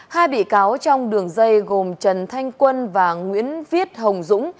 hai bị cáo trong đường dây gồm trần thanh quân và nguyễn viết hồng dũng